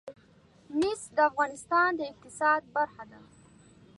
مس د افغانستان د اقتصاد برخه ده.